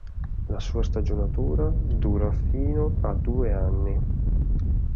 La sua stagionatura dura fino a due anni.